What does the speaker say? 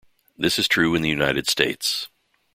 This is true in the United States.